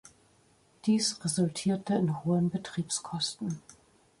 Dies resultierte in hohen Betriebskosten.